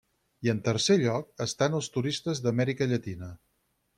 I en tercer lloc, estan els turistes d'Amèrica Llatina.